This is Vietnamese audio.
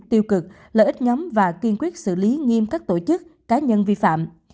tiêu cực lợi ích nhóm và kiên quyết xử lý nghiêm các tổ chức cá nhân vi phạm